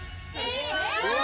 うわ！